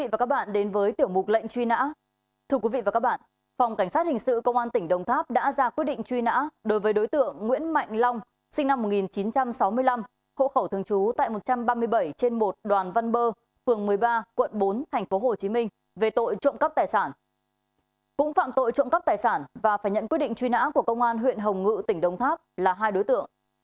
và phải nhận quyết định truy nã của công an huyện hồng ngự tỉnh đông tháp là hai đối tượng